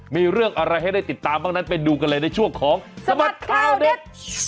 มีเรื่องอะไรให้ได้ติดตามบ้างนั้นไปดูกันเลยในช่วงของสบัดข่าวเด็ด